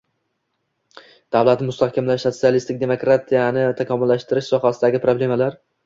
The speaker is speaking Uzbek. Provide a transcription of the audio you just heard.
davlatni mustahkamlash, sotsialistik demokratiyani takomillashtirish sohasidagi problemalar